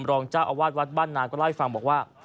รองเจ้าอาวาสวัดบ้านนาก็เล่าให้ฟังบอกว่า